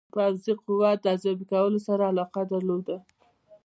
د پوځي قوت ارزیابي کولو سره علاقه درلوده.